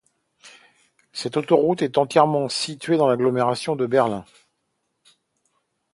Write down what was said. Cette autoroute est entièrement située dans l'agglomération de Berlin.